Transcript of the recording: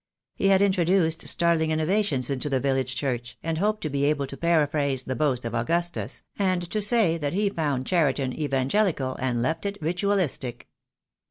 He had introduced startling in novations into the village church, and hoped to be able to paraphrase the boast of Augustus, and to say that he THE DAY WILL COME. I I O, found Cheriton Evangelical and left it Ritualistic.